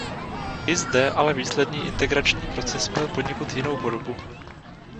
I zde ale výsledný integrační proces měl poněkud jinou podobu.